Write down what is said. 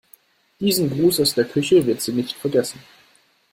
Diesen Gruß aus der Küche wird sie nicht vergessen.